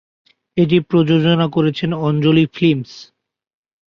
এটি প্রযোজনা করেছেন অঞ্জলি ফিল্মস।